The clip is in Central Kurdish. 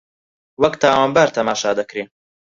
وەک تاوانبار تەماشا دەکرێ